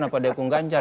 apa dia dukung ganjar